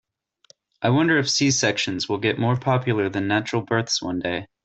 I wonder if C-sections will get more popular than natural births one day.